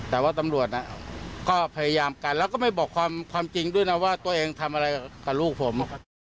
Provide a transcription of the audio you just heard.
แต่ว่าตำรวจก็พยายามกันแล้วก็ไม่บอกความจริงด้วยนะว่าตัวเองทำอะไรกับลูกผม